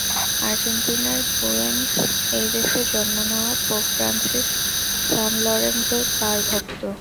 আর্জেন্টিনার বুয়েনস এইরেসে জন্ম নেওয়া পোপ ফ্রান্সিস সান লরেঞ্জোর পাঁড় ভক্ত।